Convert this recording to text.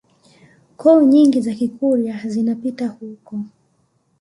Koo nyingi za Kikurya zilipita huko